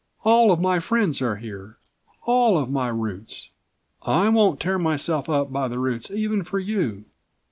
All of my friends are here, all of my roots. I won't tear myself up by the roots even for you.